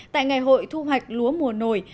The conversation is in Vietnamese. tại ngày hội thu hoạch lúa mùa nổi